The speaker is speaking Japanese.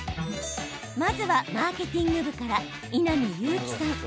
まずはマーケティング部から伊波雄貴さん。